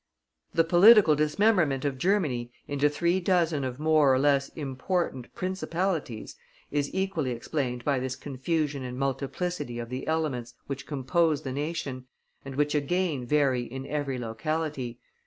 The political dismemberment of Germany into three dozen of more or less important principalities is equally explained by this confusion and multiplicity of the elements which compose the nation, and which again vary in every locality.